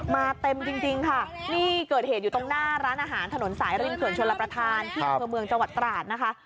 มาเต็มจริงค่ะนี่เกิดเหตุอยู่ตรงหน้าร้านอาหารถนนสายริมเขื่อนชนลประธานที่อำเภอเมืองจังหวัดตราดนะคะ